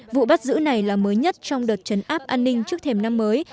vụ bắt giữ này là mới nhất trong đợt chấn áp an ninh trước thềm năm mới